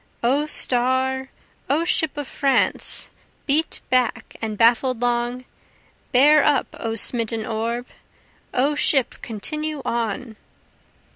O star! O ship of France, beat back and baffled long! Bear up O smitten orb! O ship continue on!